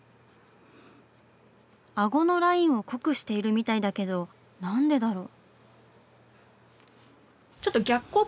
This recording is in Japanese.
顎のラインを濃くしているみたいだけど何でだろう？